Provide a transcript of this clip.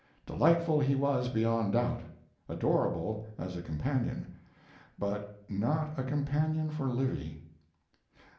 Delightful he was beyond doubt, adorable as a companion, but not a companion for Livy.